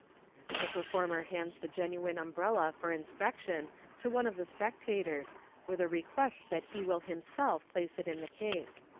The performer hands the genuine umbrella for inspection to one of the spectators, with a request that he will himself place it in the case.